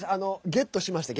ゲットしました。